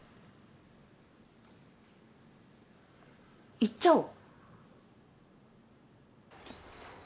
行っちゃおう。